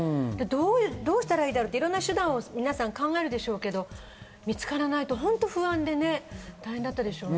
どうしたらいいだろうって、いろんな手段を考えるでしょうけど、見つからないと不安で大変だったでしょうね。